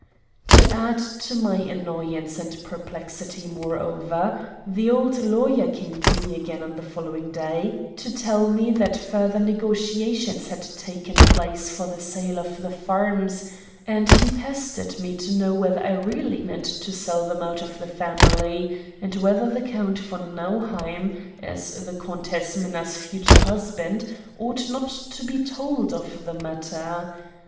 To add to my annoyance and perplexity, moreover, the old lawyer came to me again on the following day to tell me that further negotiations had taken place for the sale of the farms, and he pestered me to know whether I really meant to sell them out of the family, and whether the Count von Nauheim, as the Countess Minna's future husband, ought not to be told of the matter.